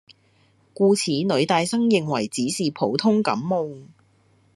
故此女大生認為只是普通感冒